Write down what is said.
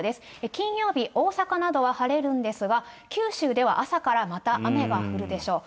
金曜日、大阪などは晴れるんですが、九州では、朝からまた雨が降るでしょう。